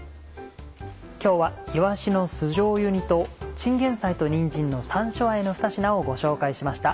今日は「いわしの酢じょうゆ煮」と「チンゲンサイとにんじんの山椒あえ」のふた品をご紹介しました。